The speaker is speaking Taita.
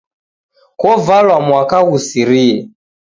Kovalwa mwaka ghusirie